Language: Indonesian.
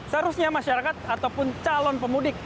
seharusnya masyarakat ataupun calon pemudik